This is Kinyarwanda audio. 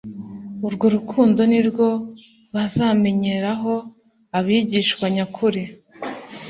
Urwo rukundo ni rwo bazamenyeraho abigishwa nyakuri,